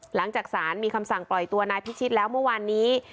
หลังจากสารมีคำสั่งปล่อยตัวนายพิชิตแล้วเมื่อวานนี้